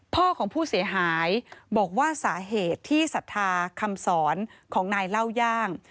พ่อของผู้เสียหายบอกว่าสาเหตุที่ศรัทธาคำสอนของนายเล่าย่าง